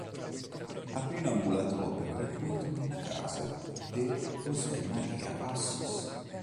Aprì un ambulatorio gratuito nella Casa de José Maria Assis.